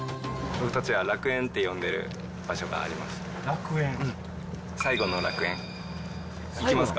僕たちが楽園って呼んでる場所があります。